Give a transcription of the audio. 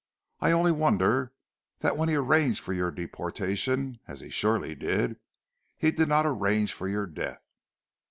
I only wonder that when he arranged for your deportation, as he surely did, he did not arrange for your death."